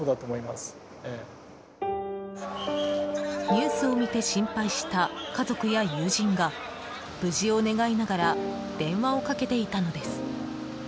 ニュースを見て心配した家族や友人が無事を願いながら電話をかけていたのです。